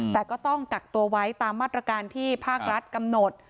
แต่ก็ต้องกักตัวไว้ตามมาตรการที่ภาครัฐกำหนด